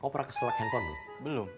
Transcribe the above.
kau pernah keselak handphone belum belum